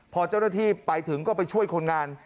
พอเจ้าหน้าที่ไปถึงก็ไปช่วยคนงาน